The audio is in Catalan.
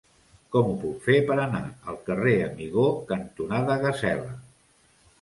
Com ho puc fer per anar al carrer Amigó cantonada Gasela?